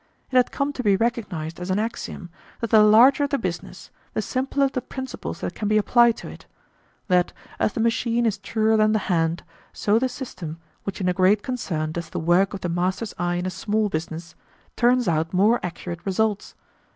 It had come to be recognized as an axiom that the larger the business the simpler the principles that can be applied to it; that, as the machine is truer than the hand, so the system, which in a great concern does the work of the master's eye in a small business, turns out more accurate results.